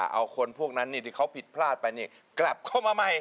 เอาคนพวกนั้นที่เขาผิดพลาดไปกลับเข้ามาใหม่